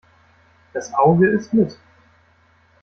Das Auge isst mit.